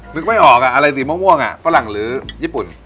นึกไม่ออกอะไรสีม่วงฝรั่งหรือญี่ปุ่น